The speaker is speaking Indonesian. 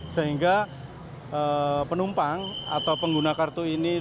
sehingga penumpang atau pengguna kartu ini